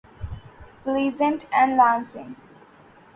Pleasant and Lansing.